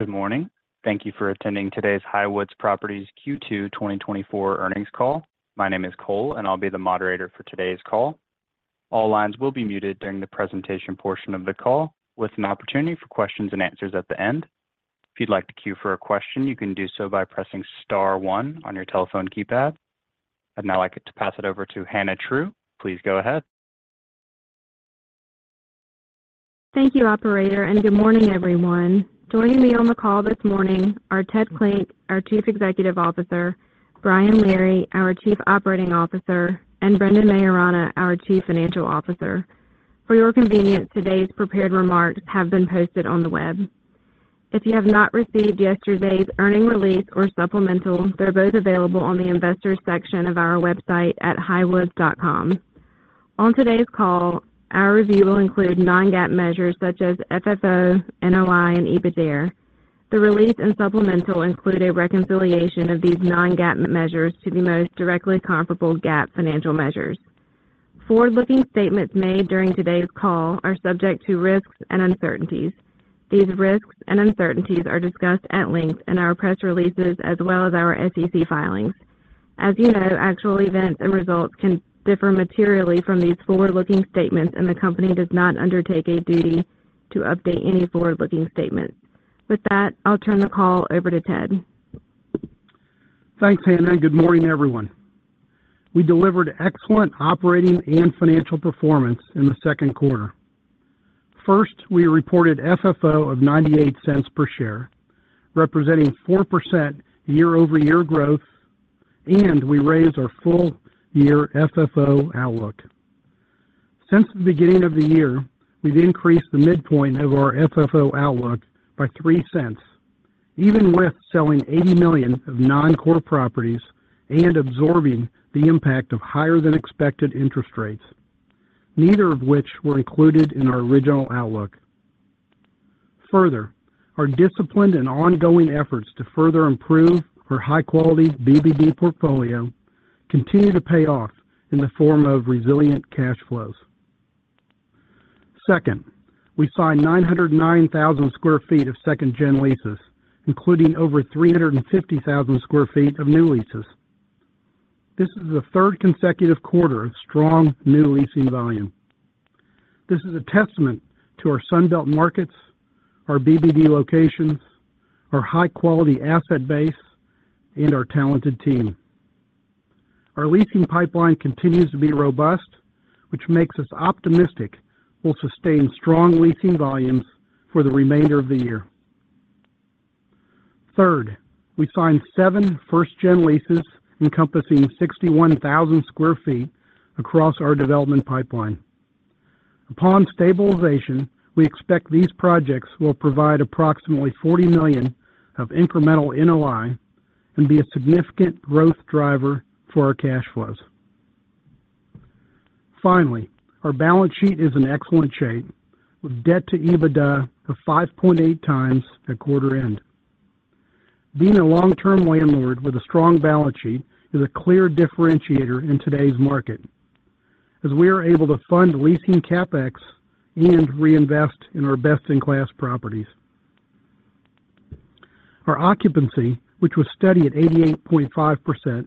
Good morning. Thank you for attending today's Highwoods Properties Q2 2024 earnings call. My name is Cole, and I'll be the moderator for today's call. All lines will be muted during the presentation portion of the call, with an opportunity for questions and answers at the end. If you'd like to queue for a question, you can do so by pressing star one on your telephone keypad. I'd now like to pass it over to Hannah True. Please go ahead. Thank you, Operator, and good morning, everyone. Joining me on the call this morning are Ted Klinck, our Chief Executive Officer; Brian Leary, our Chief Operating Officer; and Brendan Maiorana, our Chief Financial Officer. For your convenience, today's prepared remarks have been posted on the web. If you have not received yesterday's earnings release or supplemental, they're both available on the Investors section of our website at highwoods.com. On today's call, our review will include non-GAAP measures such as FFO, NOI, and EBITDA. The release and supplemental include a reconciliation of these non-GAAP measures to the most directly comparable GAAP financial measures. Forward-looking statements made during today's call are subject to risks and uncertainties. These risks and uncertainties are discussed at length in our press releases as well as our SEC filings. As you know, actual events and results can differ materially from these forward-looking statements, and the company does not undertake a duty to update any forward-looking statements. With that, I'll turn the call over to Ted. Thanks, Hannah. Good morning, everyone. We delivered excellent operating and financial performance in the second quarter. First, we reported FFO of $0.98 per share, representing 4% year-over-year growth, and we raised our full-year FFO outlook. Since the beginning of the year, we've increased the midpoint of our FFO outlook by $0.03, even with selling $80 million of non-core properties and absorbing the impact of higher-than-expected interest rates, neither of which were included in our original outlook. Further, our disciplined and ongoing efforts to further improve our high-quality BBD portfolio continue to pay off in the form of resilient cash flows. Second, we signed 909,000 sq ft of second-gen leases, including over 350,000 sq ft of new leases. This is the third consecutive quarter of strong new leasing volume. This is a testament to our Sunbelt markets, our BBD locations, our high-quality asset base, and our talented team. Our leasing pipeline continues to be robust, which makes us optimistic we'll sustain strong leasing volumes for the remainder of the year. Third, we signed seven first-gen leases encompassing 61,000 sq ft across our development pipeline. Upon stabilization, we expect these projects will provide approximately $40 million of incremental NOI and be a significant growth driver for our cash flows. Finally, our balance sheet is in excellent shape, with debt to EBITDA of 5.8 times at quarter end. Being a long-term landlord with a strong balance sheet is a clear differentiator in today's market, as we are able to fund leasing CapEx and reinvest in our best-in-class properties. Our occupancy, which was steady at 88.5%,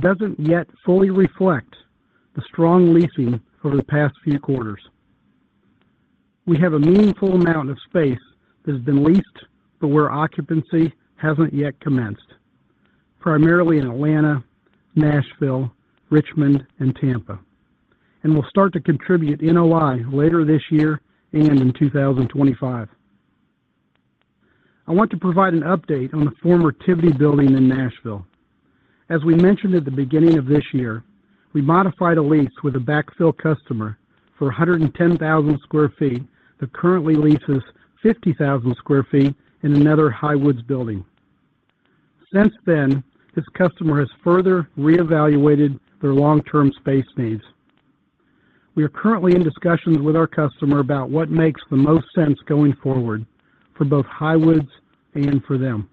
doesn't yet fully reflect the strong leasing over the past few quarters. We have a meaningful amount of space that has been leased, but where occupancy hasn't yet commenced, primarily in Atlanta, Nashville, Richmond, and Tampa, and we'll start to contribute NOI later this year and in 2025. I want to provide an update on the former Tivity building in Nashville. As we mentioned at the beginning of this year, we modified a lease with a backfill customer for 110,000 sq ft that currently leases 50,000 sq ft in another Highwoods building. Since then, this customer has further reevaluated their long-term space needs. We are currently in discussions with our customer about what makes the most sense going forward for both Highwoods and for them.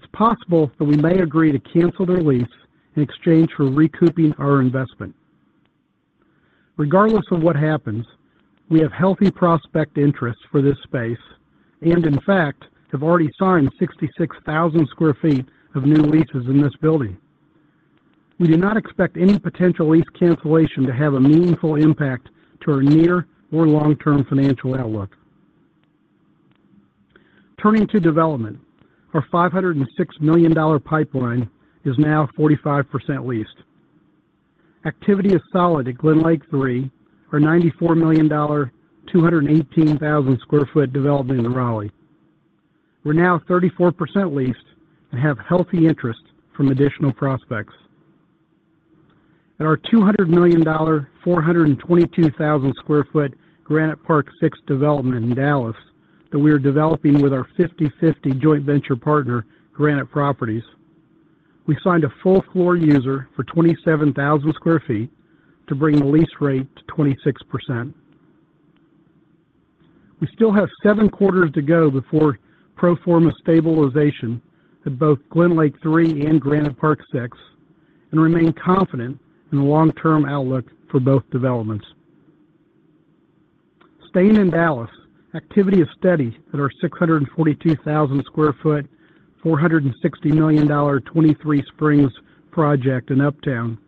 It's possible that we may agree to cancel their lease in exchange for recouping our investment. Regardless of what happens, we have healthy prospect interest for this space and, in fact, have already signed 66,000 sq ft of new leases in this building. We do not expect any potential lease cancellation to have a meaningful impact to our near or long-term financial outlook. Turning to development, our $506 million pipeline is now 45% leased. Activity is solid at GlenLake III, our $94 million, 218,000 sq ft development in Raleigh. We're now 34% leased and have healthy interest from additional prospects. At our $200 million, 422,000 sq ft Granite Park Six development in Dallas that we are developing with our 50/50 joint venture partner, Granite Properties, we signed a full-floor user for 27,000 sq ft to bring the lease rate to 26%. We still have seven quarters to go before pro forma stabilization at both GlenLake III and Granite Park Six and remain confident in the long-term outlook for both developments. Staying in Dallas, activity is steady at our 642,000 sq ft, $460 million, 23Springs project in Uptown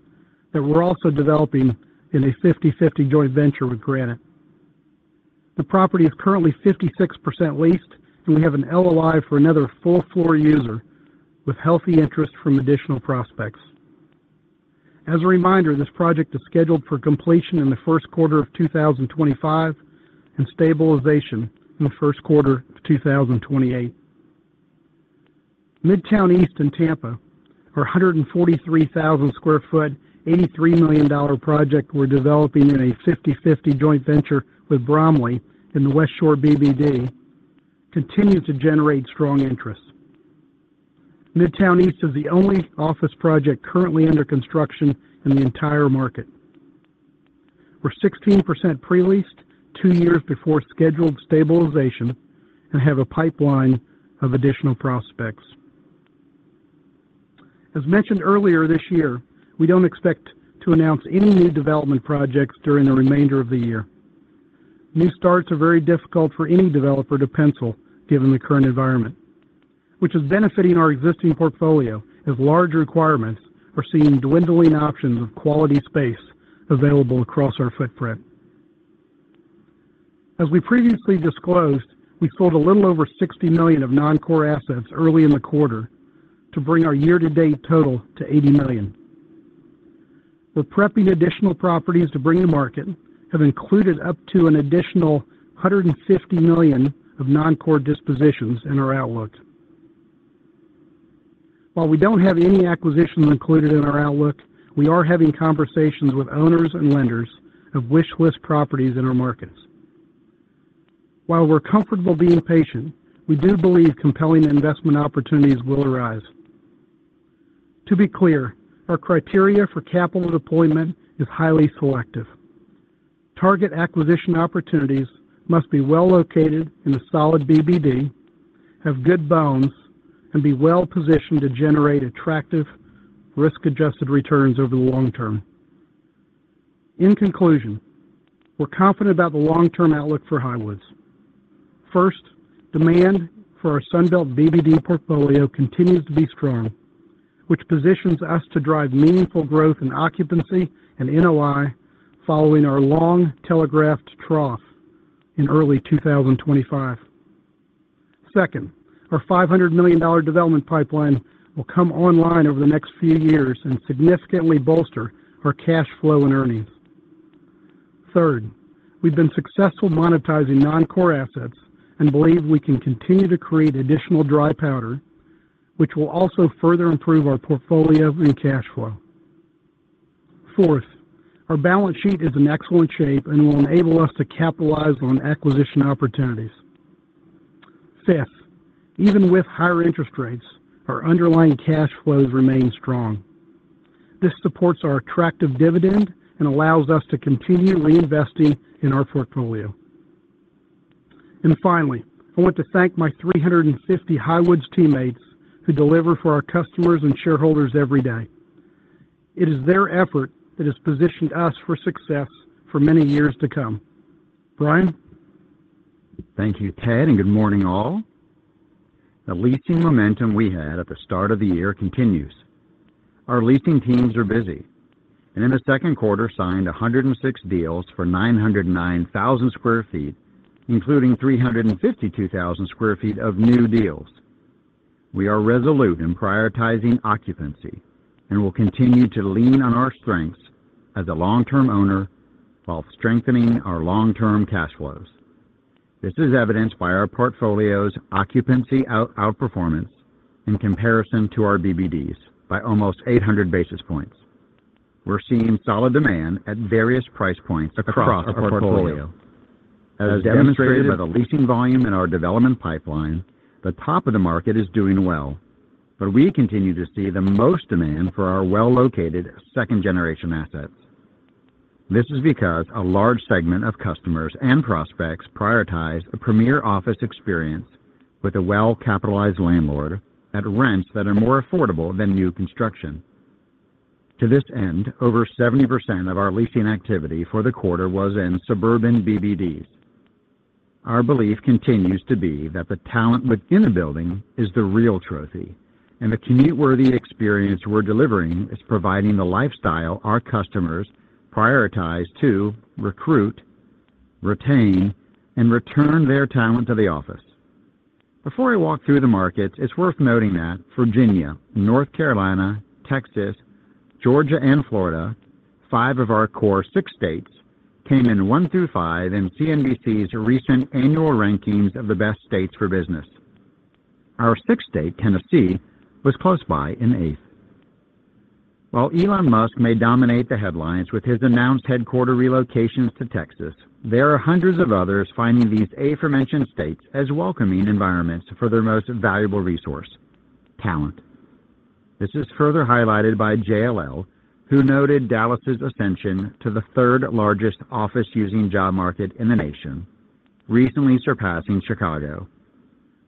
that we're also developing in a 50/50 joint venture with Granite. The property is currently 56% leased, and we have an LOI for another full-floor user with healthy interest from additional prospects. As a reminder, this project is scheduled for completion in the first quarter of 2025 and stabilization in the first quarter of 2028. Midtown East in Tampa, our 143,000 sq ft, $83 million project we're developing in a 50/50 joint venture with Bromley in the Westshore BBD, continues to generate strong interest. Midtown East is the only office project currently under construction in the entire market. We're 16% pre-leased two years before scheduled stabilization and have a pipeline of additional prospects. As mentioned earlier this year, we don't expect to announce any new development projects during the remainder of the year. New starts are very difficult for any developer to pencil given the current environment, which is benefiting our existing portfolio as large requirements are seeing dwindling options of quality space available across our footprint. As we previously disclosed, we sold a little over $60 million of non-core assets early in the quarter to bring our year-to-date total to $80 million. We're prepping additional properties to bring to market, have included up to an additional $150 million of non-core dispositions in our outlook. While we don't have any acquisitions included in our outlook, we are having conversations with owners and lenders of wishlist properties in our markets. While we're comfortable being patient, we do believe compelling investment opportunities will arise. To be clear, our criteria for capital deployment is highly selective. Target acquisition opportunities must be well-located in a solid BBD, have good bones, and be well-positioned to generate attractive, risk-adjusted returns over the long term. In conclusion, we're confident about the long-term outlook for Highwoods. First, demand for our Sunbelt BBD portfolio continues to be strong, which positions us to drive meaningful growth in occupancy and NOI following our long telegraphed trough in early 2025. Second, our $500 million development pipeline will come online over the next few years and significantly bolster our cash flow and earnings. Third, we've been successful monetizing non-core assets and believe we can continue to create additional dry powder, which will also further improve our portfolio and cash flow. Fourth, our balance sheet is in excellent shape and will enable us to capitalize on acquisition opportunities. Fifth, even with higher interest rates, our underlying cash flows remain strong. This supports our attractive dividend and allows us to continue reinvesting in our portfolio. And finally, I want to thank my 350 Highwoods teammates who deliver for our customers and shareholders every day. It is their effort that has positioned us for success for many years to come. Brian. Thank you, Ted, and good morning, all. The leasing momentum we had at the start of the year continues. Our leasing teams are busy, and in the second quarter, signed 106 deals for 909,000 sq ft, including 352,000 sq ft of new deals. We are resolute in prioritizing occupancy and will continue to lean on our strengths as a long-term owner while strengthening our long-term cash flows. This is evidenced by our portfolio's occupancy outperformance in comparison to our BBDs by almost 800 basis points. We're seeing solid demand at various price points across our portfolio. As demonstrated by the leasing volume in our development pipeline, the top of the market is doing well, but we continue to see the most demand for our well-located second-generation assets. This is because a large segment of customers and prospects prioritize a premier office experience with a well-capitalized landlord at rents that are more affordable than new construction. To this end, over 70% of our leasing activity for the quarter was in suburban BBDs. Our belief continues to be that the talent within a building is the real trophy, and the commute-worthy experience we're delivering is providing the lifestyle our customers prioritize to recruit, retain, and return their talent to the office. Before I walk through the markets, it's worth noting that Virginia, North Carolina, Texas, Georgia, and Florida, five of our core six states, came in one through five in CNBC's recent annual rankings of the best states for business. Our sixth state, Tennessee, was close by in eighth. While Elon Musk may dominate the headlines with his announced headquarters relocations to Texas, there are hundreds of others finding these aforementioned states as welcoming environments for their most valuable resource, talent. This is further highlighted by JLL, who noted Dallas's ascension to the third-largest office-using job market in the nation, recently surpassing Chicago,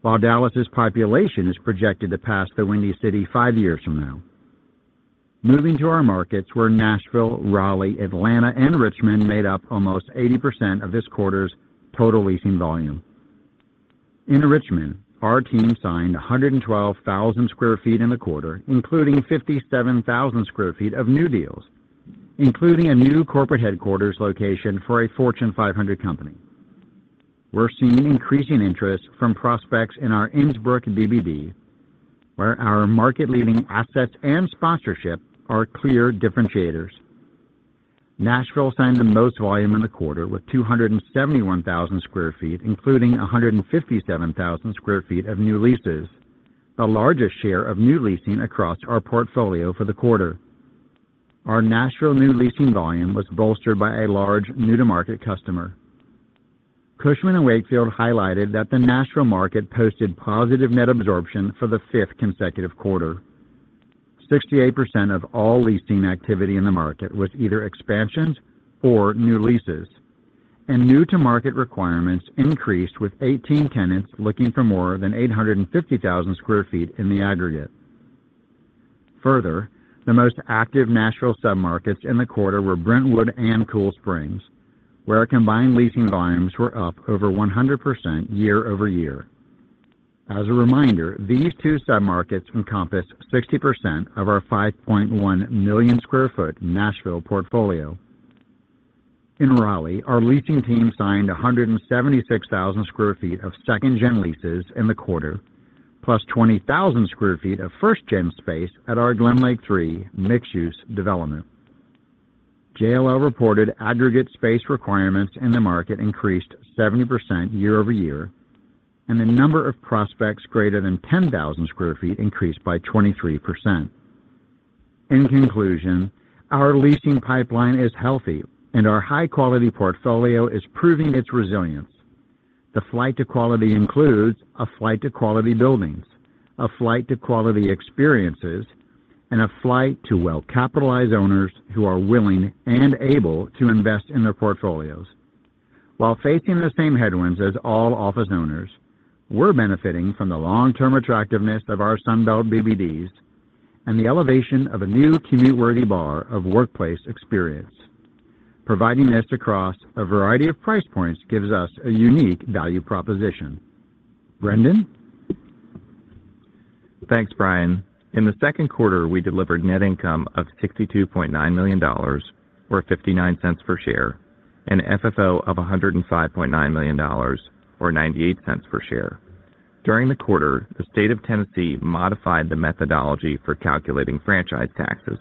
while Dallas's population is projected to pass the Windy City five years from now. Moving to our markets where Nashville, Raleigh, Atlanta, and Richmond made up almost 80% of this quarter's total leasing volume. In Richmond, our team signed 112,000 sq ft in the quarter, including 57,000 sq ft of new deals, including a new corporate headquarters location for a Fortune 500 company. We're seeing increasing interest from prospects in our Innsbrook BBD, where our market-leading assets and sponsorship are clear differentiators. Nashville signed the most volume in the quarter with 271,000 sq ft, including 157,000 sq ft of new leases, the largest share of new leasing across our portfolio for the quarter. Our Nashville new leasing volume was bolstered by a large new-to-market customer. Cushman & Wakefield highlighted that the Nashville market posted positive net absorption for the fifth consecutive quarter. 68% of all leasing activity in the market was either expansions or new leases, and new-to-market requirements increased with 18 tenants looking for more than 850,000 sq ft in the aggregate. Further, the most active Nashville submarkets in the quarter were Brentwood and Cool Springs, where combined leasing volumes were up over 100% year-over-year. As a reminder, these two submarkets encompass 60% of our 5.1 million sq ft Nashville portfolio. In Raleigh, our leasing team signed 176,000 sq ft of second-gen leases in the quarter, plus 20,000 sq ft of first-gen space at our GlenLake III mixed-use development. JLL reported aggregate space requirements in the market increased 70% year-over-year, and the number of prospects greater than 10,000 sq ft increased by 23%. In conclusion, our leasing pipeline is healthy, and our high-quality portfolio is proving its resilience. The flight to quality includes a flight to quality buildings, a flight to quality experiences, and a flight to well-capitalized owners who are willing and able to invest in their portfolios. While facing the same headwinds as all office owners, we're benefiting from the long-term attractiveness of our Sunbelt BBDs and the elevation of a new commute-worthy bar of workplace experience. Providing this across a variety of price points gives us a unique value proposition. Brendan? Thanks, Brian. In the second quarter, we delivered net income of $62.9 million, or $0.59 per share, and FFO of $105.9 million, or $0.98 per share. During the quarter, the state of Tennessee modified the methodology for calculating franchise taxes,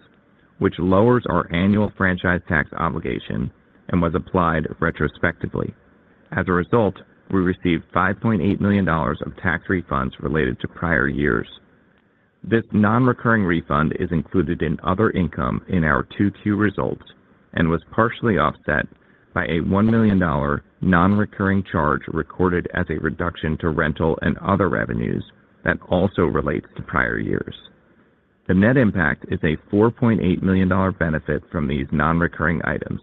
which lowers our annual franchise tax obligation and was applied retrospectively. As a result, we received $5.8 million of tax refunds related to prior years. This non-recurring refund is included in other income in our 2Q results and was partially offset by a $1 million non-recurring charge recorded as a reduction to rental and other revenues that also relates to prior years. The net impact is a $4.8 million benefit from these non-recurring items,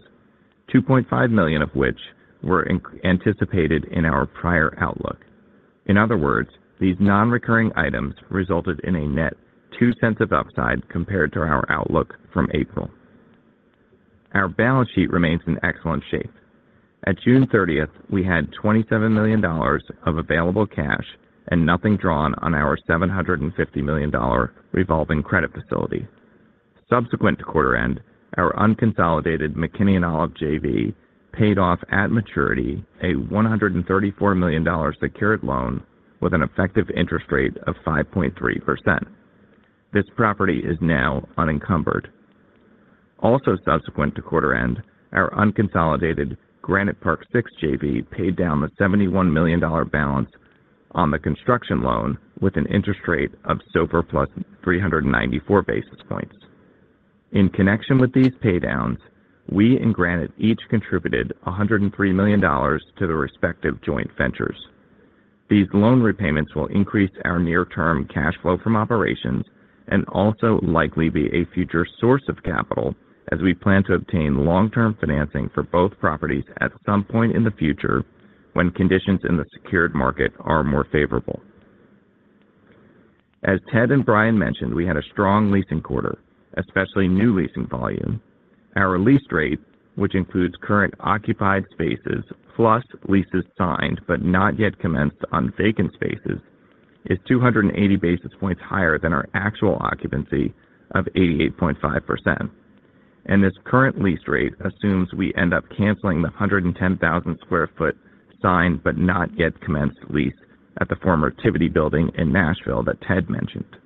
$2.5 million of which were anticipated in our prior outlook. In other words, these non-recurring items resulted in a net $0.02 of upside compared to our outlook from April. Our balance sheet remains in excellent shape. At June 30th, we had $27 million of available cash and nothing drawn on our $750 million revolving credit facility. Subsequent to quarter end, our unconsolidated McKinney & Olive JV paid off at maturity a $134 million secured loan with an effective interest rate of 5.3%. This property is now unencumbered. Also subsequent to quarter end, our unconsolidated Granite Park Six JV paid down the $71 million balance on the construction loan with an interest rate of SOFR plus 394 basis points. In connection with these paydowns, we and Granite each contributed $103 million to the respective joint ventures. These loan repayments will increase our near-term cash flow from operations and also likely be a future source of capital as we plan to obtain long-term financing for both properties at some point in the future when conditions in the secured market are more favorable. As Ted and Brian mentioned, we had a strong leasing quarter, especially new leasing volume. Our lease rate, which includes current occupied spaces plus leases signed but not yet commenced on vacant spaces, is 280 basis points higher than our actual occupancy of 88.5%. This current lease rate assumes we end up canceling the 110,000 sq ft signed but not yet commenced lease at the former Tivity building in Nashville that Ted mentioned.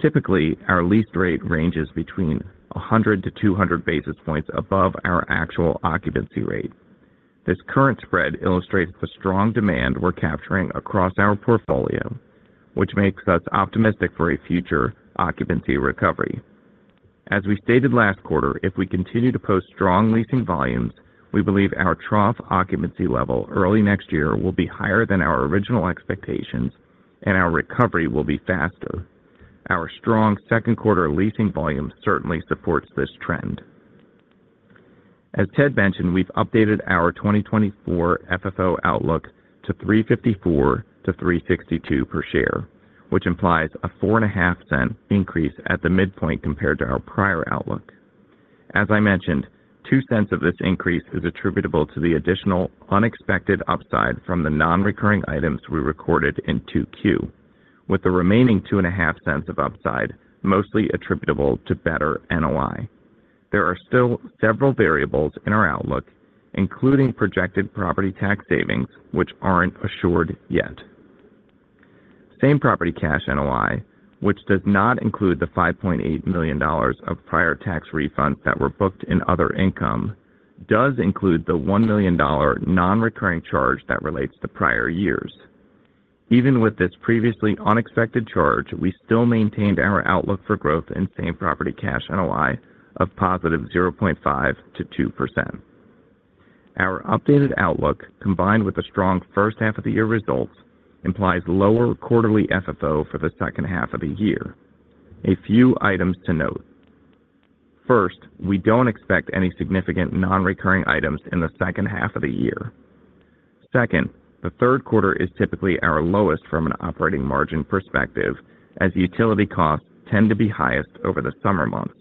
Typically, our lease rate ranges between 100-200 basis points above our actual occupancy rate. This current spread illustrates the strong demand we're capturing across our portfolio, which makes us optimistic for a future occupancy recovery. As we stated last quarter, if we continue to post strong leasing volumes, we believe our trough occupancy level early next year will be higher than our original expectations, and our recovery will be faster. Our strong second quarter leasing volume certainly supports this trend. As Ted mentioned, we've updated our 2024 FFO outlook to $3.54-$3.62 per share, which implies a $0.045 increase at the midpoint compared to our prior outlook. As I mentioned, $0.02 of this increase is attributable to the additional unexpected upside from the non-recurring items we recorded in 2Q, with the remaining $0.025 of upside mostly attributable to better NOI. There are still several variables in our outlook, including projected property tax savings, which aren't assured yet. Same property cash NOI, which does not include the $5.8 million of prior tax refunds that were booked in other income, does include the $1 million non-recurring charge that relates to prior years. Even with this previously unexpected charge, we still maintained our outlook for growth in same property cash NOI of positive 0.5%-2%. Our updated outlook, combined with the strong first half of the year results, implies lower quarterly FFO for the second half of the year. A few items to note. First, we don't expect any significant non-recurring items in the second half of the year. Second, the third quarter is typically our lowest from an operating margin perspective, as utility costs tend to be highest over the summer months.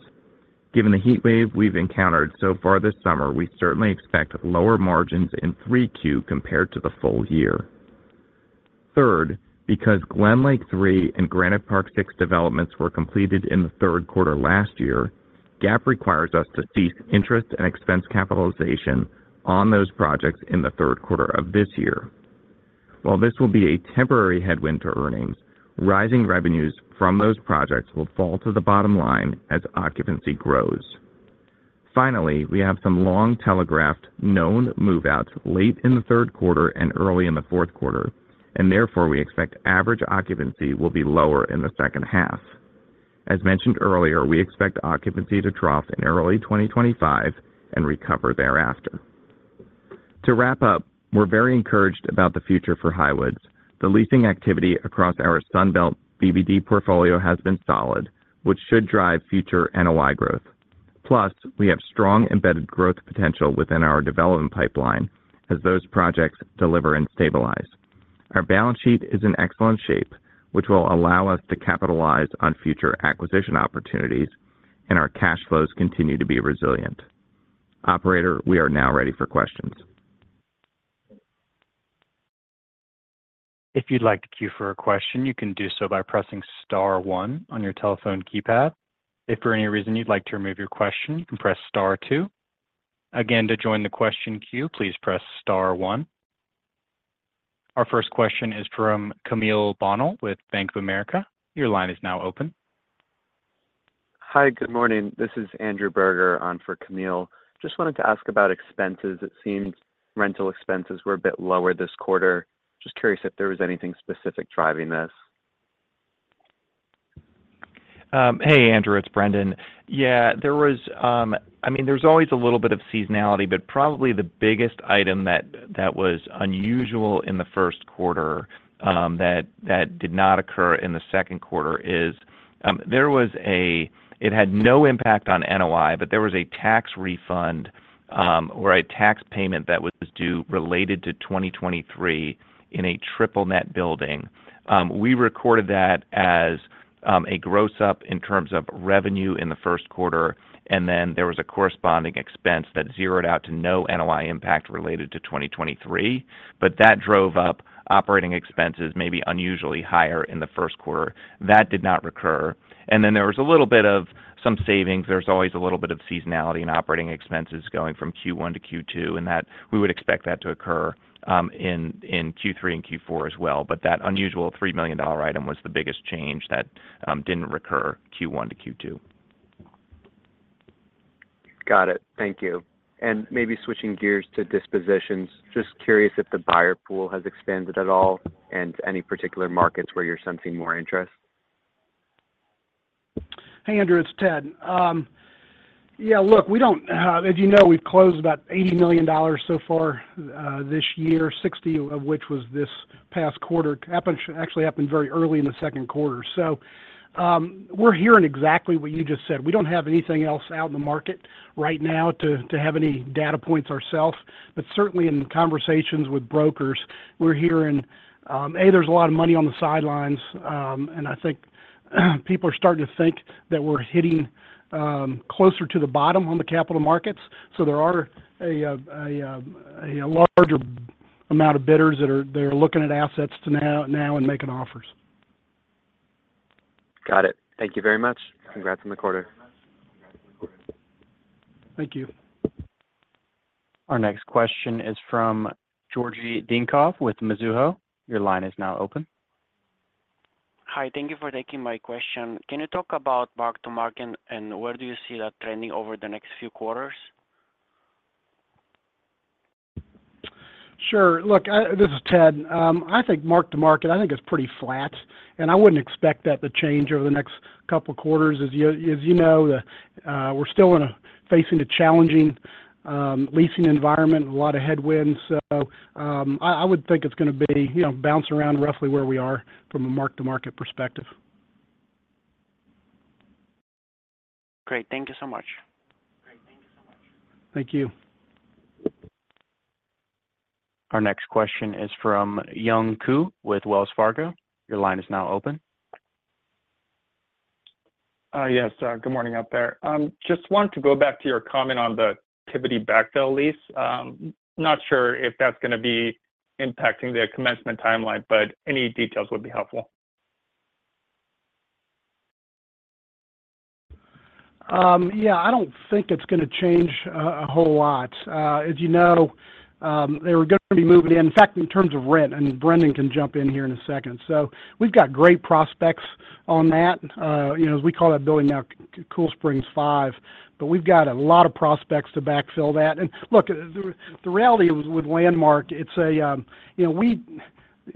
Given the heat wave we've encountered so far this summer, we certainly expect lower margins in 3Q compared to the full year. Third, because GlenLake III and Granite Park Six developments were completed in the third quarter last year, GAAP requires us to cease interest and expense capitalization on those projects in the third quarter of this year. While this will be a temporary headwind to earnings, rising revenues from those projects will fall to the bottom line as occupancy grows. Finally, we have some long telegraphed known move-outs late in the third quarter and early in the fourth quarter, and therefore we expect average occupancy will be lower in the second half. As mentioned earlier, we expect occupancy to trough in early 2025 and recover thereafter. To wrap up, we're very encouraged about the future for Highwoods. The leasing activity across our Sunbelt BBD portfolio has been solid, which should drive future NOI growth. Plus, we have strong embedded growth potential within our development pipeline as those projects deliver and stabilize. Our balance sheet is in excellent shape, which will allow us to capitalize on future acquisition opportunities, and our cash flows continue to be resilient. Operator, we are now ready for questions. If you'd like to queue for a question, you can do so by pressing star one on your telephone keypad. If for any reason you'd like to remove your question, you can press star two. Again, to join the question queue, please press star one. Our first question is from Camille Bonnel with Bank of America. Your line is now open. Hi, good morning. This is Andrew Berger on for Camille. Just wanted to ask about expenses. It seems rental expenses were a bit lower this quarter. Just curious if there was anything specific driving this. Hey, Andrew, it's Brendan. Yeah, there was, I mean, there's always a little bit of seasonality, but probably the biggest item that was unusual in the first quarter that did not occur in the second quarter is there was a, it had no impact on NOI, but there was a tax refund or a tax payment that was due related to 2023 in a triple-net building. We recorded that as a gross-up in terms of revenue in the first quarter, and then there was a corresponding expense that zeroed out to no NOI impact related to 2023, but that drove up operating expenses maybe unusually higher in the first quarter. That did not recur. And then there was a little bit of some savings. There's always a little bit of seasonality in operating expenses going from Q1 to Q2, and that we would expect that to occur in Q3 and Q4 as well. But that unusual $3 million item was the biggest change that didn't recur Q1 to Q2. Got it. Thank you. Maybe switching gears to dispositions, just curious if the buyer pool has expanded at all and any particular markets where you're sensing more interest? Hey, Andrew, it's Ted. Yeah, look, we don't, as you know, we've closed about $80 million so far this year, $60 million of which was this past quarter. It actually happened very early in the second quarter. So we're hearing exactly what you just said. We don't have anything else out in the market right now to have any data points ourselves, but certainly in conversations with brokers, we're hearing, A, there's a lot of money on the sidelines, and I think people are starting to think that we're hitting closer to the bottom on the capital markets. So there are a larger amount of bidders that are looking at assets now and making offers. Got it. Thank you very much. Congrats on the quarter. Thank you. Our next question is from Georgi Dinkov with Mizuho. Your line is now open. Hi, thank you for taking my question. Can you talk about mark-to-market and where do you see that trending over the next few quarters? Sure. Look, this is Ted. I think mark-to-market, I think it's pretty flat, and I wouldn't expect that to change over the next couple of quarters. As you know, we're still facing a challenging leasing environment and a lot of headwinds. So I would think it's going to be bouncing around roughly where we are from a mark-to-market perspective. Great. Thank you so much. Thank you. Our next question is from Young Ku with Wells Fargo. Your line is now open. Yes, good morning out there. Just wanted to go back to your comment on the Tivity backfill lease. Not sure if that's going to be impacting the commencement timeline, but any details would be helpful. Yeah, I don't think it's going to change a whole lot. As you know, they were going to be moving in. In fact, in terms of rent, and Brendan can jump in here in a second. So we've got great prospects on that. As we call that building now, Cool Springs V, but we've got a lot of prospects to backfill that. And look, the reality with Landmark, it's the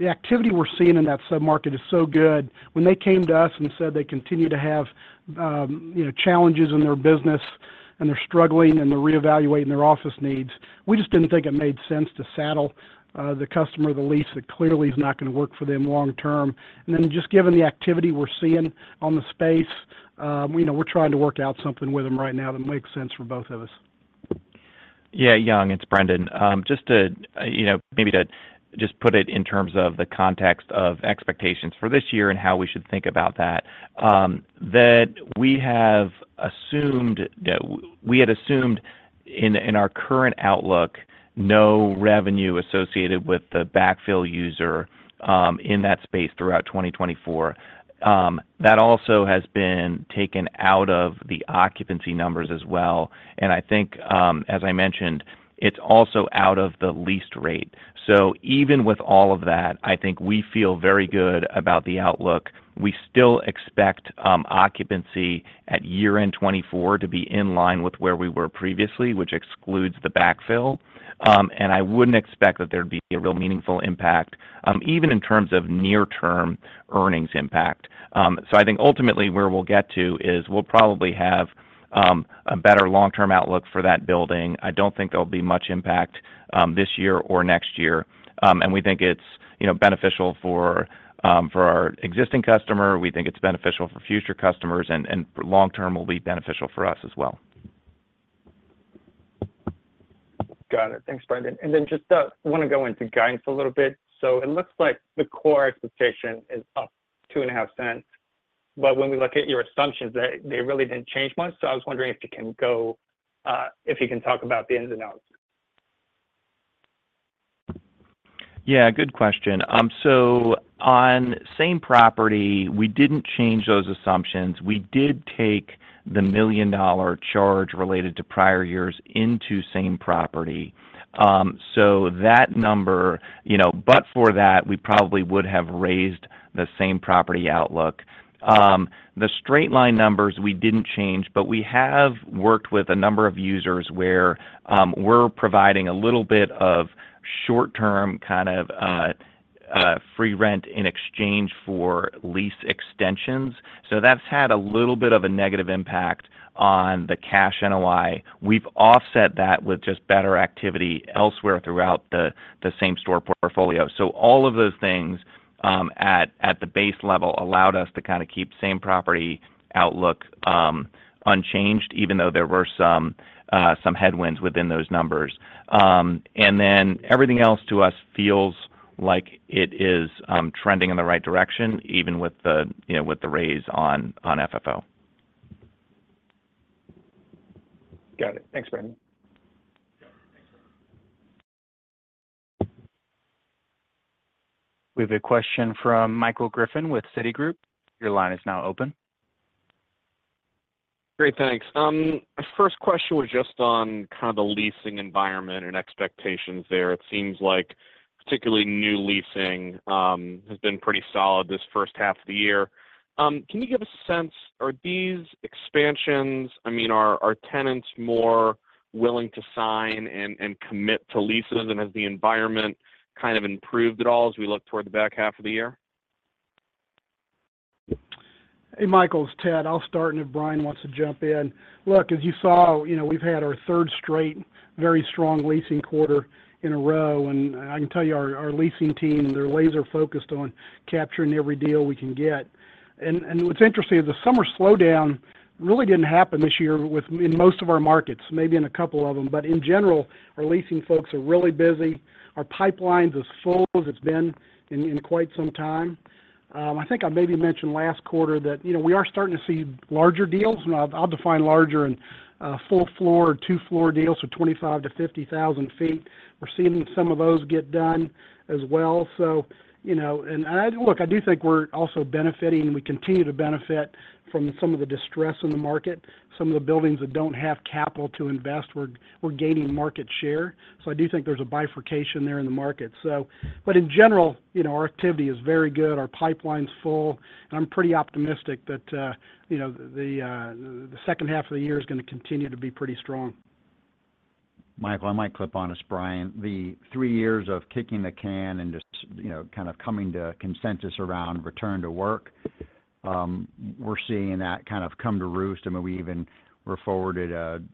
activity we're seeing in that submarket is so good. When they came to us and said they continue to have challenges in their business and they're struggling and they're reevaluating their office needs, we just didn't think it made sense to saddle the customer of the lease that clearly is not going to work for them long term. And then just given the activity we're seeing on the space, we're trying to work out something with them right now that makes sense for both of us. Yeah, Young, it's Brendan. Just to maybe just put it in terms of the context of expectations for this year and how we should think about that, that we had assumed in our current outlook no revenue associated with the backfill user in that space throughout 2024. That also has been taken out of the occupancy numbers as well. And I think, as I mentioned, it's also out of the lease rate. So even with all of that, I think we feel very good about the outlook. We still expect occupancy at year-end 2024 to be in line with where we were previously, which excludes the backfill. And I wouldn't expect that there'd be a real meaningful impact, even in terms of near-term earnings impact. So I think ultimately where we'll get to is we'll probably have a better long-term outlook for that building. I don't think there'll be much impact this year or next year. We think it's beneficial for our existing customer. We think it's beneficial for future customers, and long-term will be beneficial for us as well. Got it. Thanks, Brendan. And then just want to go into guidance a little bit. So it looks like the core expectation is up $0.025, but when we look at your assumptions, they really didn't change much. So I was wondering if you can talk about the ins and outs. Yeah, good question. So on same property, we didn't change those assumptions. We did take the $1 million charge related to prior years into same property. So that number, but for that, we probably would have raised the same property outlook. The straight-line numbers, we didn't change, but we have worked with a number of users where we're providing a little bit of short-term kind of free rent in exchange for lease extensions. So that's had a little bit of a negative impact on the cash NOI. We've offset that with just better activity elsewhere throughout the same store portfolio. So all of those things at the base level allowed us to kind of keep same property outlook unchanged, even though there were some headwinds within those numbers. And then everything else to us feels like it is trending in the right direction, even with the raise on FFO. Got it. Thanks, Brendan. We have a question from Michael Griffin with Citi. Your line is now open. Great, thanks. First question was just on kind of the leasing environment and expectations there. It seems like particularly new leasing has been pretty solid this first half of the year. Can you give us a sense, are these expansions, I mean, are tenants more willing to sign and commit to leases, and has the environment kind of improved at all as we look toward the back half of the year? Michael, it's Ted. I'll start and if Brian wants to jump in. Look, as you saw, we've had our third straight very strong leasing quarter in a row, and I can tell you our leasing team, they're laser-focused on capturing every deal we can get. And what's interesting is the summer slowdown really didn't happen this year in most of our markets, maybe in a couple of them, but in general, our leasing folks are really busy. Our pipeline is as full as it's been in quite some time. I think I maybe mentioned last quarter that we are starting to see larger deals. I'll define larger and full-floor or two-floor deals for 25,000-50,000 sq ft. We're seeing some of those get done as well. And look, I do think we're also benefiting, and we continue to benefit from some of the distress in the market. Some of the buildings that don't have capital to invest, we're gaining market share. So I do think there's a bifurcation there in the market. But in general, our activity is very good. Our pipeline's full, and I'm pretty optimistic that the second half of the year is going to continue to be pretty strong. Michael, I might clip on as Brian. The three years of kicking the can and just kind of coming to consensus around return to work, we're seeing that kind of come to roost. I mean, we even were forwarded an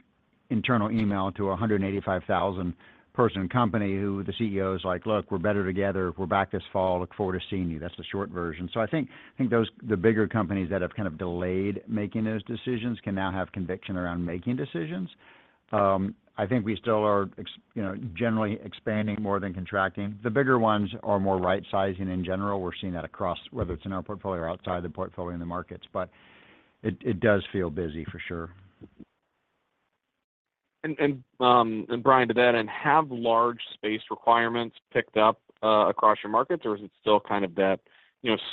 internal email to a 185,000-person company who the CEO is like, "Look, we're better together. We're back this fall. Look forward to seeing you." That's the short version. So I think the bigger companies that have kind of delayed making those decisions can now have conviction around making decisions. I think we still are generally expanding more than contracting. The bigger ones are more right-sizing in general. We're seeing that across, whether it's in our portfolio or outside the portfolio in the markets. But it does feel busy for sure. Brian, to that end, have large space requirements picked up across your markets, or is it still kind of that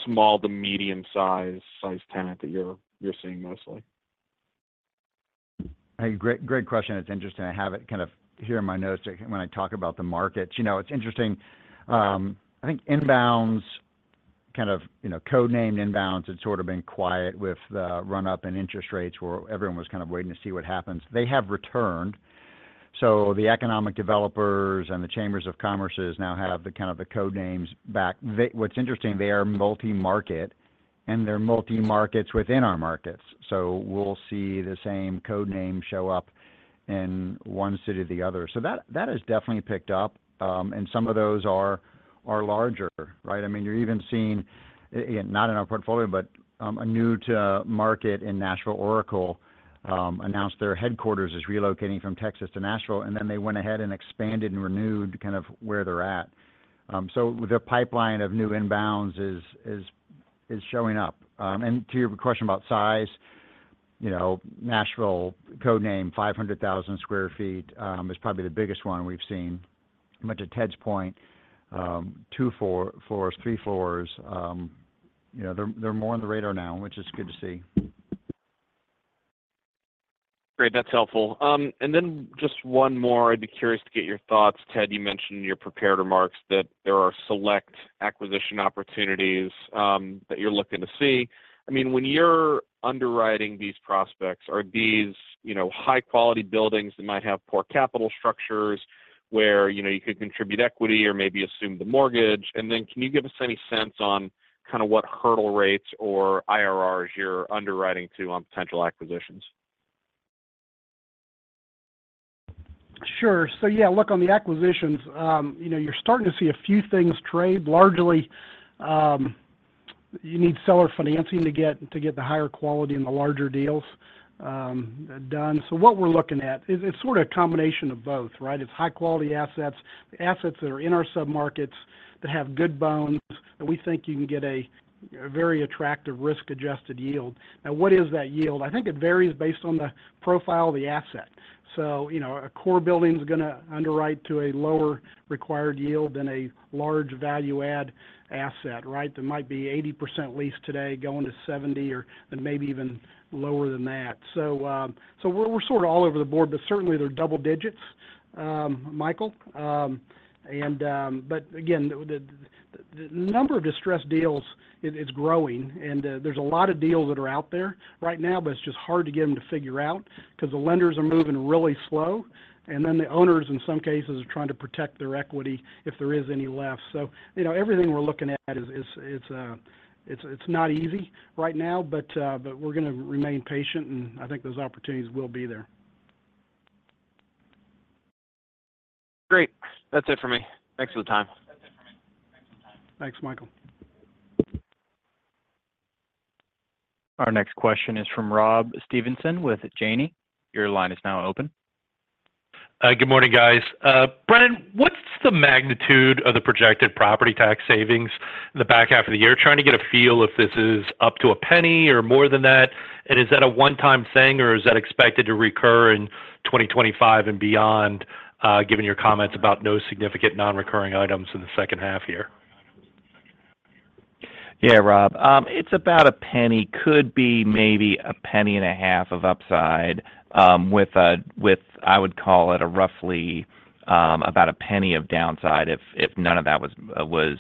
small to medium-sized tenant that you're seeing mostly? Hey, great question. It's interesting. I have it kind of here in my notes when I talk about the markets. It's interesting. I think inbounds, kind of code-named inbounds, had sort of been quiet with the run-up in interest rates where everyone was kind of waiting to see what happens. They have returned. So the economic developers and the chambers of commerce now have kind of the code names back. What's interesting, they are multi-market, and they're multi-markets within our markets. So we'll see the same code name show up in one city or the other. So that has definitely picked up, and some of those are larger, right? I mean, you're even seeing, not in our portfolio, but a new market in Nashville, Oracle, announced their headquarters is relocating from Texas to Nashville, and then they went ahead and expanded and renewed kind of where they're at. So the pipeline of new inbounds is showing up. And to your question about size, Nashville, code name, 500,000 sq ft is probably the biggest one we've seen. But to Ted's point, two floors, three floors, they're more on the radar now, which is good to see. Great. That's helpful. And then just one more. I'd be curious to get your thoughts. Ted, you mentioned in your prepared remarks that there are select acquisition opportunities that you're looking to see. I mean, when you're underwriting these prospects, are these high-quality buildings that might have poor capital structures where you could contribute equity or maybe assume the mortgage? And then can you give us any sense on kind of what hurdle rates or IRRs you're underwriting to on potential acquisitions? Sure. So yeah, look, on the acquisitions, you're starting to see a few things trade. Largely, you need seller financing to get the higher quality and the larger deals done. So what we're looking at, it's sort of a combination of both, right? It's high-quality assets, assets that are in our submarkets that have good bones that we think you can get a very attractive risk-adjusted yield. Now, what is that yield? I think it varies based on the profile of the asset. So a core building is going to underwrite to a lower required yield than a large value-add asset, right? That might be 80% leased today going to 70% or maybe even lower than that. So we're sort of all over the board, but certainly they're double digits, Michael. But again, the number of distressed deals is growing, and there's a lot of deals that are out there right now, but it's just hard to get them to figure out because the lenders are moving really slow, and then the owners, in some cases, are trying to protect their equity if there is any left. So everything we're looking at, it's not easy right now, but we're going to remain patient, and I think those opportunities will be there. Great. That's it for me. Thanks for the time. Thanks, Michael. Our next question is from Rob Stevenson with Janney. Your line is now open. Good morning, guys. Brendan, what's the magnitude of the projected property tax savings in the back half of the year? Trying to get a feel if this is up to a penny or more than that. And is that a one-time thing, or is that expected to recur in 2025 and beyond, given your comments about no significant non-recurring items in the second half year? Yeah, Rob. It's about $0.01. Could be maybe $0.015 of upside with, I would call it, roughly about $0.01 of downside if none of that was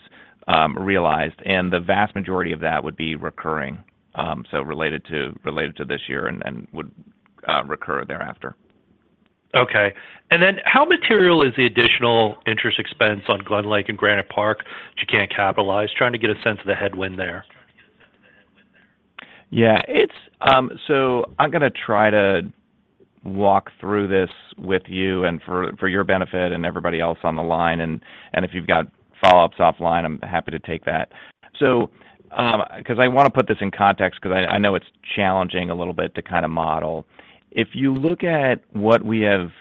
realized. And the vast majority of that would be recurring, so related to this year and would recur thereafter. Okay. How material is the additional interest expense on Glenlake and Granite Park that you can't capitalize? Trying to get a sense of the headwind there. Yeah. So I'm going to try to walk through this with you and for your benefit and everybody else on the line. And if you've got follow-ups offline, I'm happy to take that. Because I want to put this in context because I know it's challenging a little bit to kind of model. If you look at what we have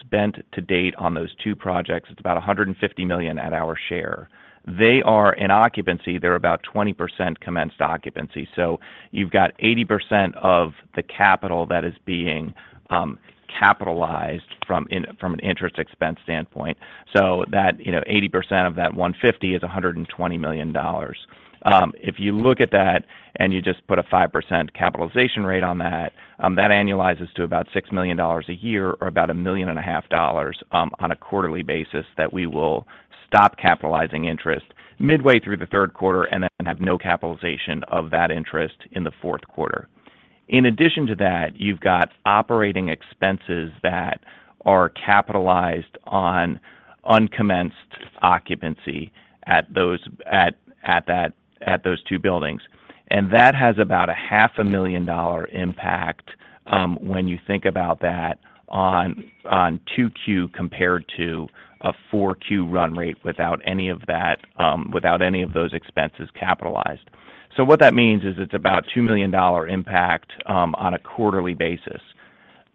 spent to date on those two projects, it's about $150 million at our share. They are in occupancy. They're about 20% commenced occupancy. So you've got 80% of the capital that is being capitalized from an interest expense standpoint. So that 80% of that 150 is $120 million. If you look at that and you just put a 5% capitalization rate on that, that annualizes to about $6 million a year or about $1.5 million on a quarterly basis that we will stop capitalizing interest midway through the third quarter and then have no capitalization of that interest in the fourth quarter. In addition to that, you've got operating expenses that are capitalized on uncommenced occupancy at those two buildings. And that has about a $500,000 impact when you think about that on 2Q compared to a 4Q run rate without any of that, without any of those expenses capitalized. So what that means is it's about $2 million impact on a quarterly basis.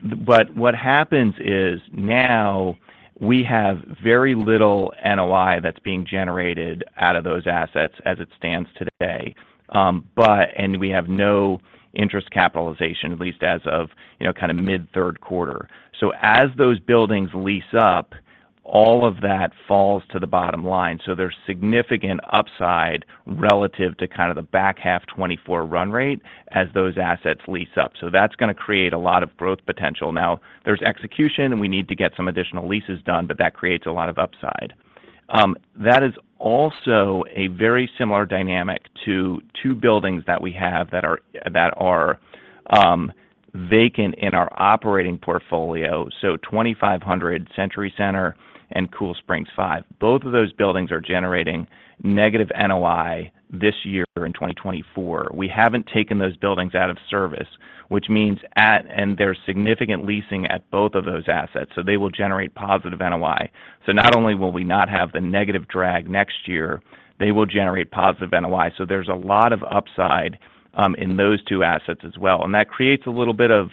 But what happens is now we have very little NOI that's being generated out of those assets as it stands today, and we have no interest capitalization, at least as of kind of mid-third quarter. So as those buildings lease up, all of that falls to the bottom line. So there's significant upside relative to kind of the back half 2024 run rate as those assets lease up. So that's going to create a lot of growth potential. Now, there's execution, and we need to get some additional leases done, but that creates a lot of upside. That is also a very similar dynamic to two buildings that we have that are vacant in our operating portfolio. So 2500 Century Center and Cool Springs V. Both of those buildings are generating negative NOI this year in 2024. We haven't taken those buildings out of service, which means there's significant leasing at both of those assets. So they will generate positive NOI. So not only will we not have the negative drag next year, they will generate positive NOI. So there's a lot of upside in those two assets as well. And that creates a little bit of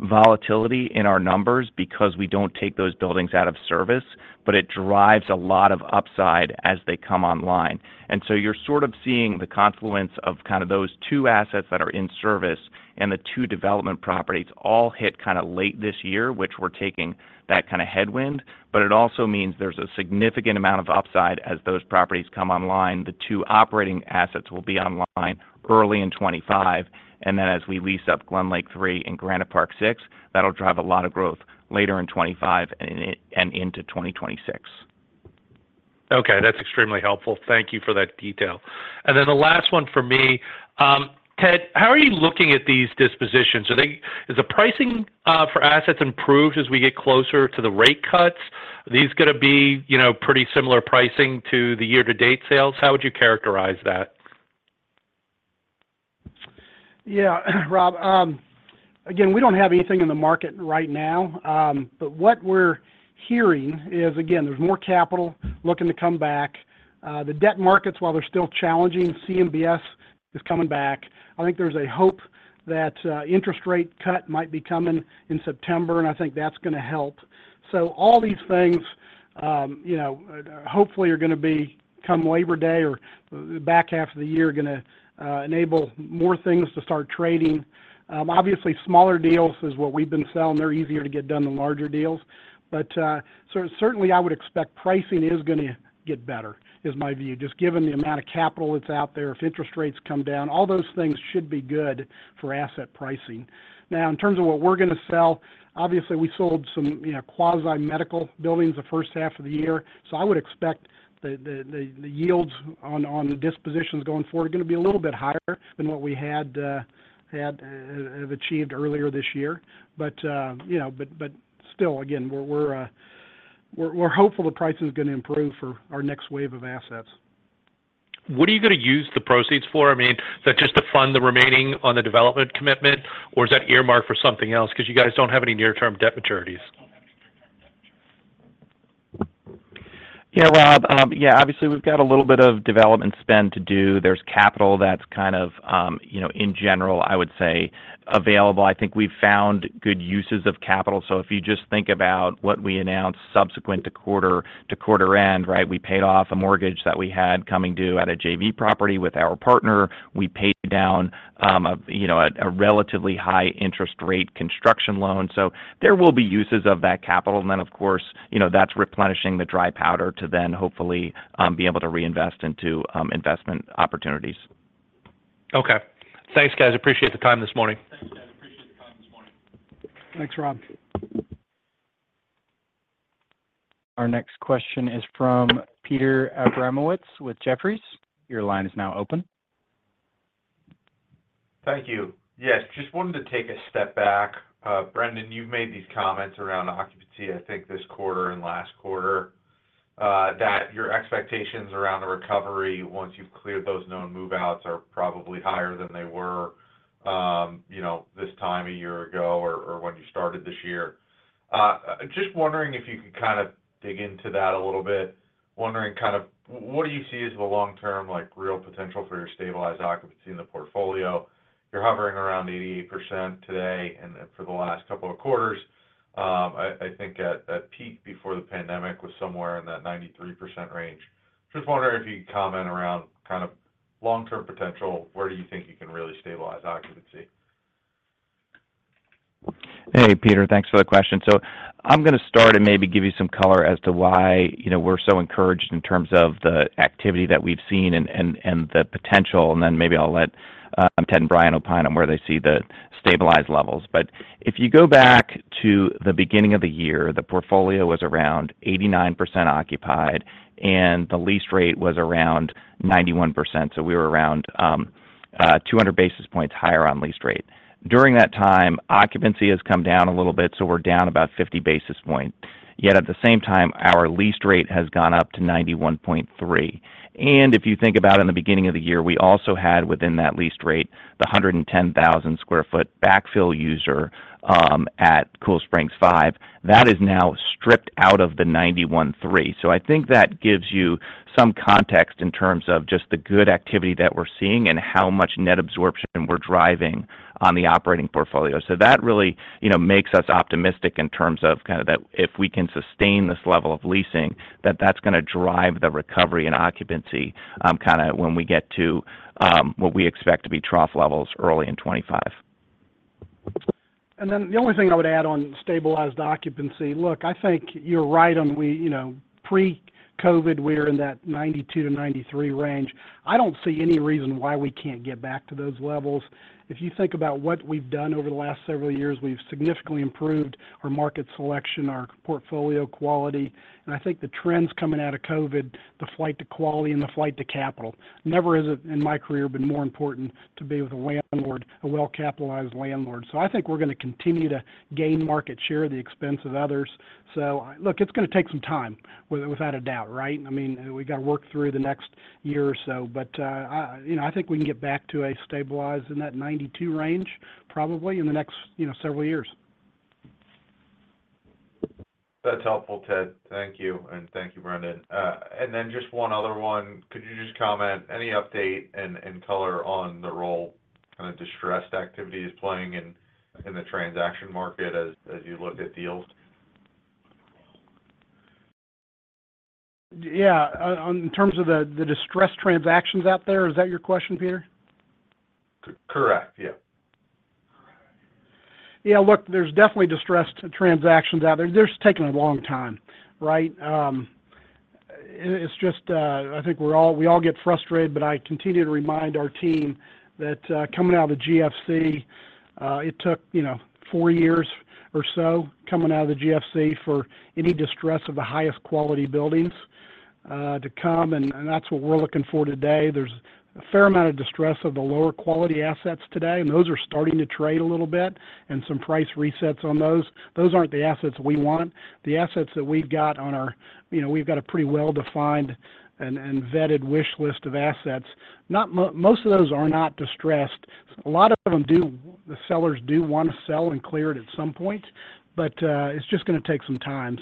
volatility in our numbers because we don't take those buildings out of service, but it drives a lot of upside as they come online. And so you're sort of seeing the confluence of kind of those two assets that are in service and the two development properties all hit kind of late this year, which we're taking that kind of headwind. But it also means there's a significant amount of upside as those properties come online. The two operating assets will be online early in 2025. And then as we lease up GlenLake III and Granite Park Six, that'll drive a lot of growth later in 2025 and into 2026. Okay. That's extremely helpful. Thank you for that detail. Then the last one for me. Ted, how are you looking at these dispositions? Is the pricing for assets improved as we get closer to the rate cuts? Are these going to be pretty similar pricing to the year-to-date sales? How would you characterize that? Yeah, Rob. Again, we don't have anything in the market right now. But what we're hearing is, again, there's more capital looking to come back. The debt markets, while they're still challenging, CMBS is coming back. I think there's a hope that interest rate cut might be coming in September, and I think that's going to help. So all these things, hopefully, are going to become Labor Day or the back half of the year going to enable more things to start trading. Obviously, smaller deals is what we've been selling. They're easier to get done than larger deals. But certainly, I would expect pricing is going to get better, is my view, just given the amount of capital that's out there. If interest rates come down, all those things should be good for asset pricing. Now, in terms of what we're going to sell, obviously, we sold some quasi-medical buildings the first half of the year. So I would expect the yields on dispositions going forward are going to be a little bit higher than what we had achieved earlier this year. But still, again, we're hopeful the price is going to improve for our next wave of assets. What are you going to use the proceeds for? I mean, is that just to fund the remaining on the development commitment, or is that earmarked for something else? Because you guys don't have any near-term debt maturities. Yeah, Rob. Yeah, obviously, we've got a little bit of development spend to do. There's capital that's kind of, in general, I would say, available. I think we've found good uses of capital. So if you just think about what we announced subsequent to quarter end, right? We paid off a mortgage that we had coming due at a JV property with our partner. We paid down a relatively high-interest rate construction loan. So there will be uses of that capital. And then, of course, that's replenishing the dry powder to then hopefully be able to reinvest into investment opportunities. Okay. Thanks, guys. Appreciate the time this morning. Thanks, Rob. Our next question is from Peter Abramowitz with Jefferies. Your line is now open. Thank you. Yes. Just wanted to take a step back. Brendan, you've made these comments around occupancy, I think, this quarter and last quarter, that your expectations around the recovery once you've cleared those known move-outs are probably higher than they were this time a year ago or when you started this year. Just wondering if you could kind of dig into that a little bit. Wondering kind of what do you see as the long-term real potential for your stabilized occupancy in the portfolio? You're hovering around 88% today and for the last couple of quarters. I think at peak before the pandemic was somewhere in that 93% range. Just wondering if you could comment around kind of long-term potential. Where do you think you can really stabilize occupancy? Hey, Peter. Thanks for the question. So I'm going to start and maybe give you some color as to why we're so encouraged in terms of the activity that we've seen and the potential. And then maybe I'll let Ted and Brian opine on where they see the stabilized levels. But if you go back to the beginning of the year, the portfolio was around 89% occupied, and the lease rate was around 91%. So we were around 200 basis points higher on lease rate. During that time, occupancy has come down a little bit, so we're down about 50 basis points. Yet at the same time, our lease rate has gone up to 91.3. And if you think about it in the beginning of the year, we also had within that lease rate the 110,000 sq ft backfill user at Cool Springs V. That is now stripped out of the 91.3. So I think that gives you some context in terms of just the good activity that we're seeing and how much net absorption we're driving on the operating portfolio. So that really makes us optimistic in terms of kind of that if we can sustain this level of leasing, that that's going to drive the recovery in occupancy kind of when we get to what we expect to be trough levels early in 2025. And then the only thing I would add on stabilized occupancy, look, I think you're right on pre-COVID, we were in that 92%-93% range. I don't see any reason why we can't get back to those levels. If you think about what we've done over the last several years, we've significantly improved our market selection, our portfolio quality. And I think the trends coming out of COVID, the flight to quality and the flight to capital, never has it in my career been more important to be with a landlord, a well-capitalized landlord. So I think we're going to continue to gain market share at the expense of others. So look, it's going to take some time, without a doubt, right? I mean, we got to work through the next year or so. But I think we can get back to a stabilized in that 92 range probably in the next several years. That's helpful, Ted. Thank you. Thank you, Brendan. Then just one other one. Could you just comment any update and color on the role kind of distressed activity is playing in the transaction market as you look at deals? Yeah. In terms of the distressed transactions out there, is that your question, Peter? Correct. Yeah. Yeah. Look, there's definitely distressed transactions out there. They're just taking a long time, right? It's just I think we all get frustrated, but I continue to remind our team that coming out of the GFC, it took four years or so coming out of the GFC for any distress of the highest quality buildings to come. And that's what we're looking for today. There's a fair amount of distress of the lower quality assets today, and those are starting to trade a little bit and some price resets on those. Those aren't the assets we want. The assets that we've got on our. We've got a pretty well-defined and vetted wish list of assets. Most of those are not distressed. A lot of them do, the sellers do want to sell and clear it at some point, but it's just going to take some time.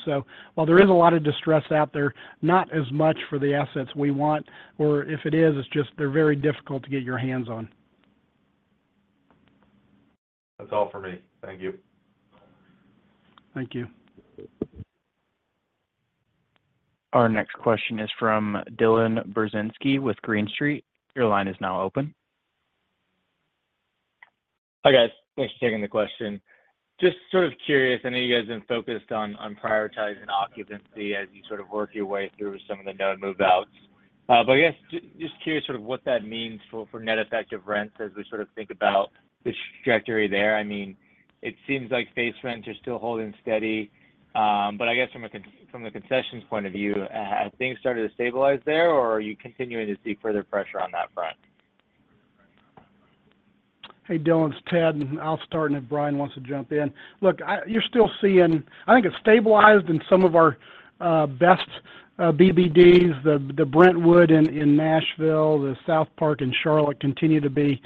While there is a lot of distress out there, not as much for the assets we want. Or if it is, it's just they're very difficult to get your hands on. That's all for me. Thank you. Thank you. Our next question is from Dylan Burzinski with Green Street. Your line is now open. Hi, guys. Thanks for taking the question. Just sort of curious. I know you guys have been focused on prioritizing occupancy as you sort of work your way through some of the known move-outs. But I guess just curious sort of what that means for net effective rents as we sort of think about the trajectory there. I mean, it seems like face rents are still holding steady. But I guess from the concessions point of view, have things started to stabilize there, or are you continuing to see further pressure on that front? Hey, Dylan. It's Ted. I'll start and if Brian wants to jump in. Look, you're still seeing I think it's stabilized in some of our best BBDs, the Brentwood in Nashville, the SouthPark in Charlotte continue to be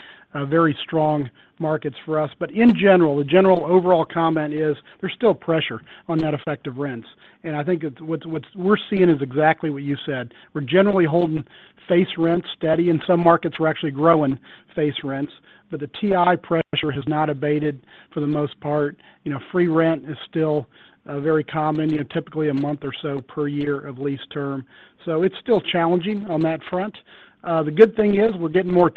very strong markets for us. But in general, the general overall comment is there's still pressure on net effective rents. And I think what we're seeing is exactly what you said. We're generally holding face rents steady, and some markets are actually growing face rents. But the TI pressure has not abated for the most part. Free rent is still very common, typically a month or so per year of lease term. So it's still challenging on that front. The good thing is we're getting more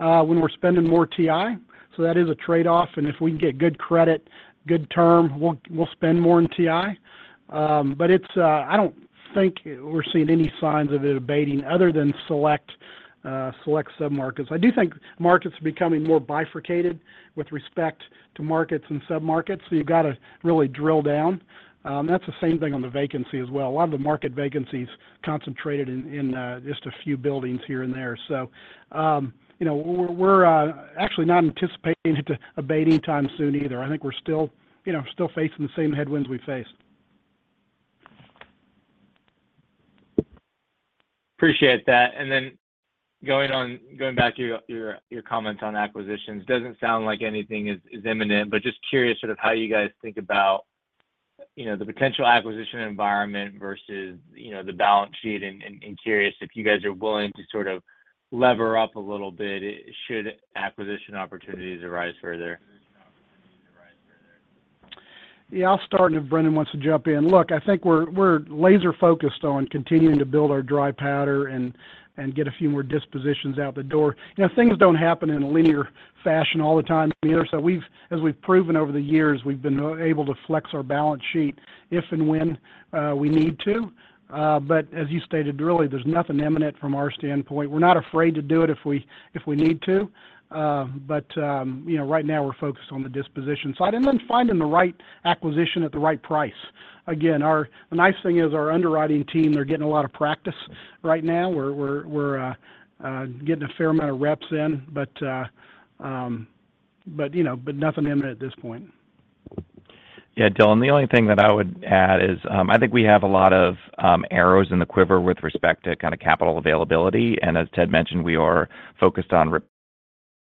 term when we're spending more TI. So that is a trade-off. If we can get good credit, good term, we'll spend more in TI. But I don't think we're seeing any signs of it abating other than select submarkets. I do think markets are becoming more bifurcated with respect to markets and submarkets. So you've got to really drill down. That's the same thing on the vacancy as well. A lot of the market vacancy is concentrated in just a few buildings here and there. So we're actually not anticipating it to abate anytime soon either. I think we're still facing the same headwinds we faced. Appreciate that. And then going back to your comments on acquisitions, it doesn't sound like anything is imminent, but just curious sort of how you guys think about the potential acquisition environment versus the balance sheet and curious if you guys are willing to sort of lever up a little bit should acquisition opportunities arise further. Yeah. I'll start, and if Brendan wants to jump in. Look, I think we're laser-focused on continuing to build our dry powder and get a few more dispositions out the door. Things don't happen in a linear fashion all the time either. So as we've proven over the years, we've been able to flex our balance sheet if and when we need to. But as you stated, really, there's nothing imminent from our standpoint. We're not afraid to do it if we need to. But right now, we're focused on the disposition side. And then finding the right acquisition at the right price. Again, the nice thing is our underwriting team, they're getting a lot of practice right now. We're getting a fair amount of reps in, but nothing imminent at this point. Yeah, Dylan. The only thing that I would add is I think we have a lot of arrows in the quiver with respect to kind of capital availability. And as Ted mentioned, we are focused on.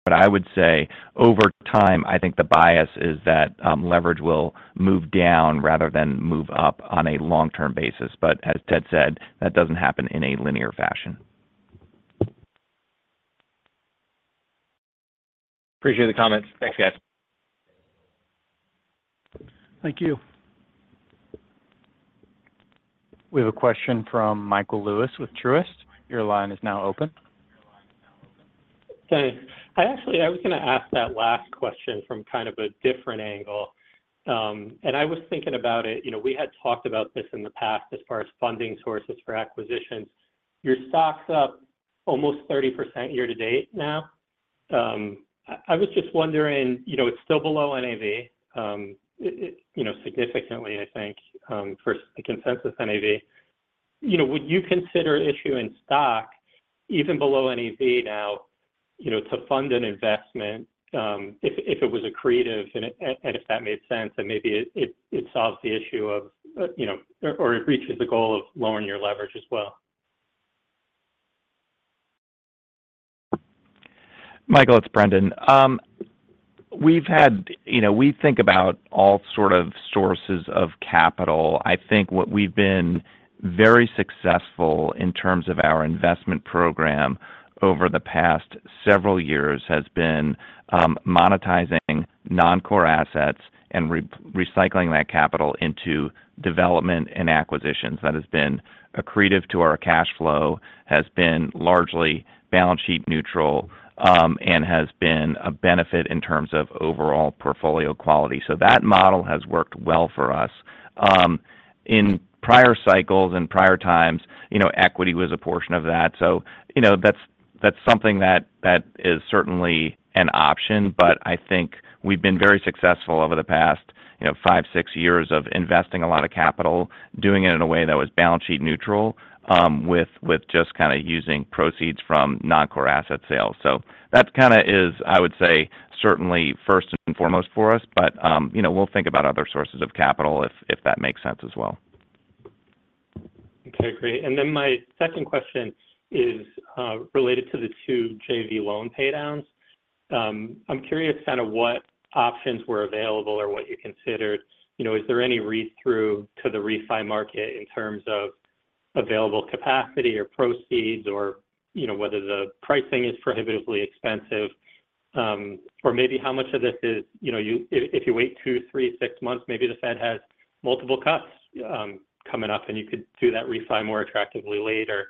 But I would say over time, I think the bias is that leverage will move down rather than move up on a long-term basis. But as Ted said, that doesn't happen in a linear fashion. Appreciate the comments. Thanks, guys. Thank you. We have a question from Michael Lewis with Truist. Your line is now open. Thanks. Actually, I was going to ask that last question from kind of a different angle. And I was thinking about it. We had talked about this in the past as far as funding sources for acquisitions. Your stock's up almost 30% year-to-date now. I was just wondering, it's still below NAV significantly, I think, versus the consensus NAV. Would you consider issuing stock even below NAV now to fund an investment if it was accretive and if that made sense and maybe it solves the issue of or it reaches the goal of lowering your leverage as well? Michael, it's Brendan. We think about all sorts of sources of capital. I think what we've been very successful in terms of our investment program over the past several years has been monetizing non-core assets and recycling that capital into development and acquisitions. That has been accretive to our cash flow, has been largely balance sheet neutral, and has been a benefit in terms of overall portfolio quality. So that model has worked well for us. In prior cycles and prior times, equity was a portion of that. So that's something that is certainly an option. But I think we've been very successful over the past five, six years of investing a lot of capital, doing it in a way that was balance sheet neutral with just kind of using proceeds from non-core asset sales. So that kind of is, I would say, certainly first and foremost for us. We'll think about other sources of capital if that makes sense as well. Okay. Great. And then my second question is related to the two JV loan paydowns. I'm curious kind of what options were available or what you considered. Is there any read-through to the refi market in terms of available capacity or proceeds or whether the pricing is prohibitively expensive? Or maybe how much of this is if you wait two, three, six months, maybe the Fed has multiple cuts coming up and you could do that refi more attractively later.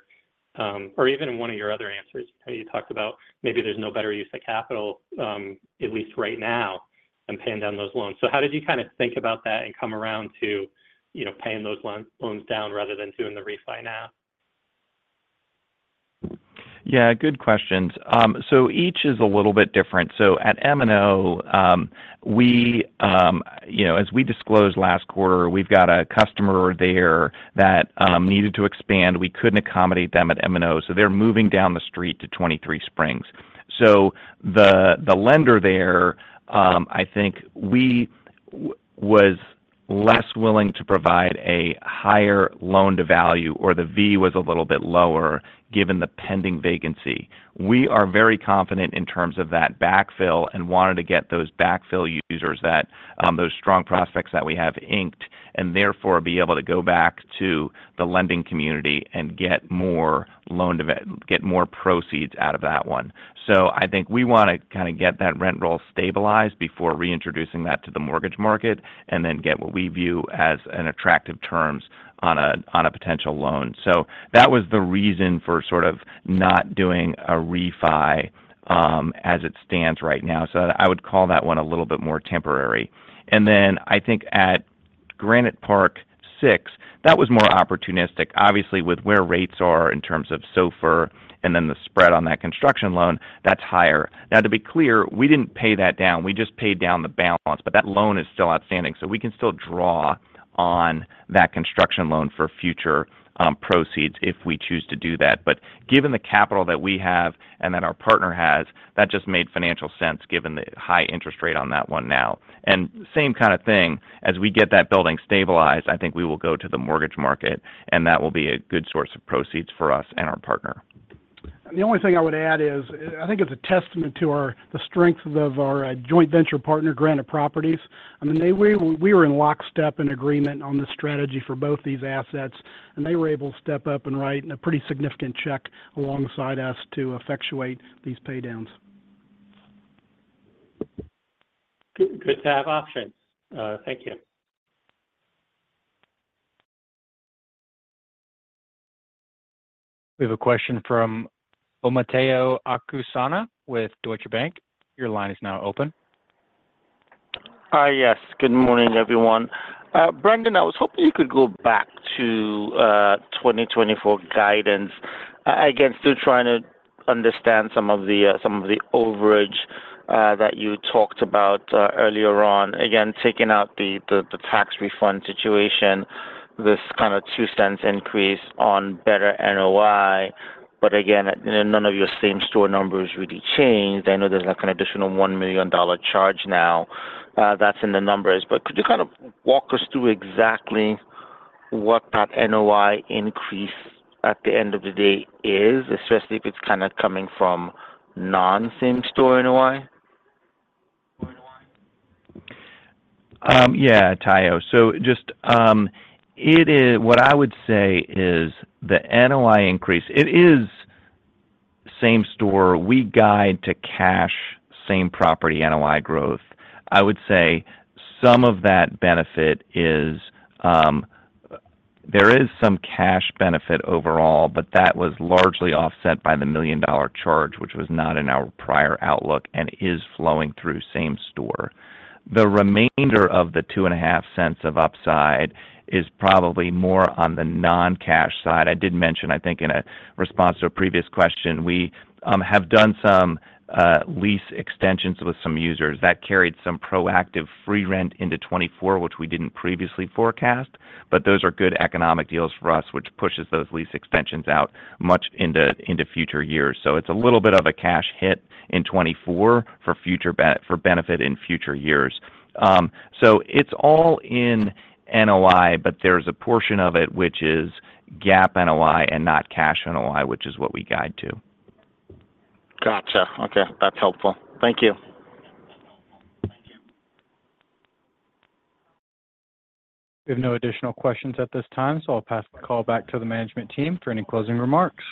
Or even one of your other answers, you talked about maybe there's no better use of capital, at least right now, than paying down those loans. So how did you kind of think about that and come around to paying those loans down rather than doing the refi now? Yeah. Good questions. So each is a little bit different. So at M&O, as we disclosed last quarter, we've got a customer there that needed to expand. We couldn't accommodate them at M&O. So they're moving down the street to 23 Springs. So the lender there, I think, was less willing to provide a higher loan to value or the V was a little bit lower given the pending vacancy. We are very confident in terms of that backfill and wanted to get those backfill users, those strong prospects that we have inked, and therefore be able to go back to the lending community and get more proceeds out of that one. So I think we want to kind of get that rent roll stabilized before reintroducing that to the mortgage market and then get what we view as in attractive terms on a potential loan. So that was the reason for sort of not doing a refi as it stands right now. So I would call that one a little bit more temporary. And then I think at Granite Park Six, that was more opportunistic. Obviously, with where rates are in terms of SOFR and then the spread on that construction loan, that's higher. Now, to be clear, we didn't pay that down. We just paid down the balance. But that loan is still outstanding. So we can still draw on that construction loan for future proceeds if we choose to do that. But given the capital that we have and that our partner has, that just made financial sense given the high interest rate on that one now. And same kind of thing. As we get that building stabilized, I think we will go to the mortgage market, and that will be a good source of proceeds for us and our partner. The only thing I would add is I think it's a testament to the strength of our joint venture partner, Granite Properties. I mean, we were in lockstep and agreement on the strategy for both these assets. They were able to step up and write a pretty significant check alongside us to effectuate these paydowns. Good to have options. Thank you. We have a question from Omotayo Okusanya with Deutsche Bank. Your line is now open. Hi. Yes. Good morning, everyone. Brendan, I was hoping you could go back to 2024 guidance. Again, still trying to understand some of the overage that you talked about earlier on. Again, taking out the tax refund situation, this kind of $0.02 increase on better NOI. But again, none of your same store numbers really changed. I know there's an additional $1 million charge now. That's in the numbers. But could you kind of walk us through exactly what that NOI increase at the end of the day is, especially if it's kind of coming from non-same store NOI? Yeah, Tayo. So just what I would say is the NOI increase, it is same store. We guide to cash, same property NOI growth. I would say some of that benefit is there is some cash benefit overall, but that was largely offset by the $1 million charge, which was not in our prior outlook and is flowing through same store. The remainder of the $0.025 of upside is probably more on the non-cash side. I did mention, I think, in response to a previous question, we have done some lease extensions with some users that carried some proactive free rent into 2024, which we didn't previously forecast. But those are good economic deals for us, which pushes those lease extensions out much into future years. So it's a little bit of a cash hit in 2024 for benefit in future years. It's all in NOI, but there's a portion of it which is GAAP NOI and not cash NOI, which is what we guide to. Gotcha. Okay. That's helpful. Thank you. We have no additional questions at this time, so I'll pass the call back to the management team for any closing remarks.